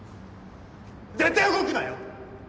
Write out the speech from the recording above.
絶対動くなよ！